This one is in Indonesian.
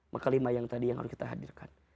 maka lima yang tadi yang harus kita hadirkan